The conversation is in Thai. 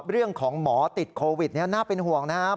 เรื่องของหมอติดโควิดน่าเป็นห่วงนะครับ